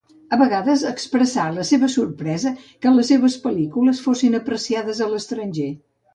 A vegades expressà la seva sorpresa que les seves pel·lícules fossin apreciades a l'estranger.